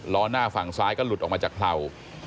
ล้อหน้าฝั่งซ้ายก็หลุดออกมาจากเข่า